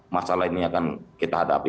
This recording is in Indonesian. masalah ini akan kita hadapi